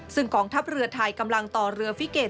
ซึ่งกองทัพเรือไทยกำลังต่อเรือฟิเกต